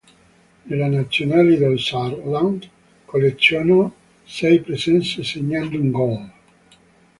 Nella nazionale del Saarland collezionò sei presenze segnando un gol.